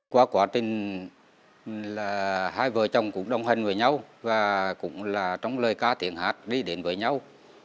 qua quá trình là hai vợ chồng cũng đồng hành với nhau và cũng là trong lời ca tiếng hát đi đến với nhau